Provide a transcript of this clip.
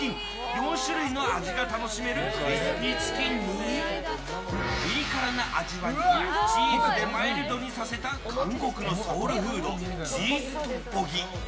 ４種類の味が楽しめるクリスピーチキンにピリ辛な味わいをチーズでマイルドにさせた韓国のソウルフードチーズトッポギ。